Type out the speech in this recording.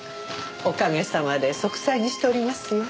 おかげさまで息災にしておりますよ。